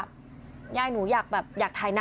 นี่หลานบอกว่าเสร็จแล้วแต่มันมันไม่ถ่ายหรอก